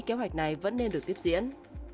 kế hoạch này vẫn nên được tiếp diễn